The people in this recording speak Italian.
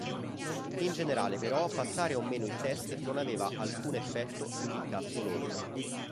In generale, però, passare o meno il test non aveva alcun effetto sull'incasso lordo.